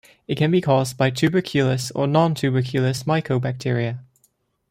It can be caused by tuberculous or non tuberculous mycobacteria.